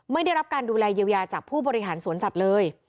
ไม่ได้รับการดูแลเยียวยาจากผู้บริหารสวนสัตว์เลย